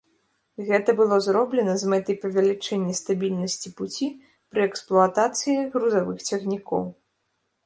Гэта было зроблена з мэтай павялічэння стабільнасці пуці пры эксплуатацыі грузавых цягнікоў.